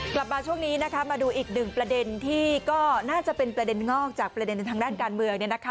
กลับมาช่วงนี้นะคะมาดูอีกหนึ่งประเด็นที่ก็น่าจะเป็นประเด็นงอกจากประเด็นทางด้านการเมือง